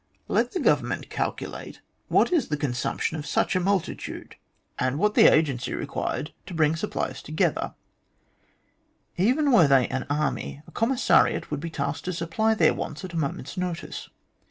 "Let the Government calculate what is the consumption of such a multitude, and what the agency required to bring supplies THE HOST OF DISAPPOINTED DIGGERS 119 together. Even were they an army, a commissariat would be tasked to supply their wants at a moment's notice.